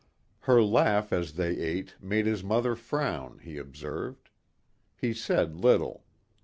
Her laugh as they ate made his mother frown, he observed. He said little.